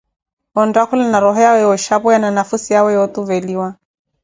Onttakhula na rooho yawe yooxhapweya na nafhusi yawe yootuveliwa.